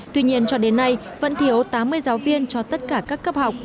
tuy nhiên cho đến nay vẫn thiếu tám mươi giáo viên cho tất cả các cấp học